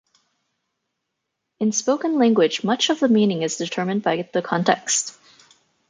In spoken language, much of the meaning is determined by the context.